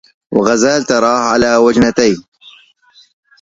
وغزال ترى على وجنتيه